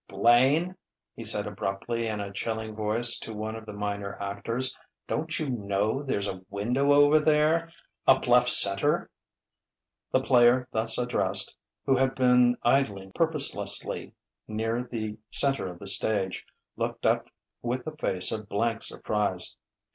"Blaine!" he said abruptly in a chilling voice to one of the minor actors "don't you know there's a window over there up left centre?" The player thus addressed, who had been idling purposelessly near the centre of the stage, looked up with a face of blank surprise.